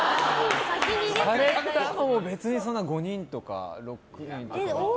されたのも別に５人とか６人とか。